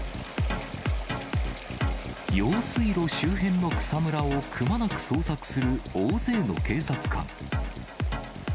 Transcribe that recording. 用水路周辺の草むらをくまなく捜索する大勢の警察官。